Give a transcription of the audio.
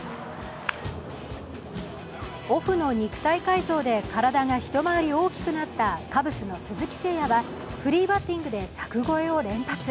オフの肉体改造で体が一回り大きくなったカブスの鈴木誠也はフリーバッティングで柵越えを連発。